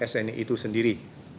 sni itu sendiri